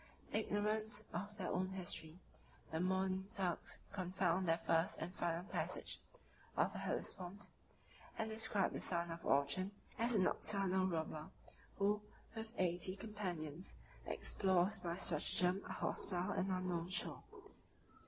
Ignorant of their own history, the modern Turks confound their first and their final passage of the Hellespont, 51 and describe the son of Orchan as a nocturnal robber, who, with eighty companions, explores by stratagem a hostile and unknown shore.